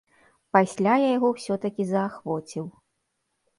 Пасля я яго ўсё-такі заахвоціў.